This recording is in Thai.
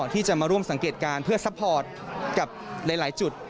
ที่จะมาร่วมสังเกตการณ์เพื่อซัพพอร์ตกับหลายจุด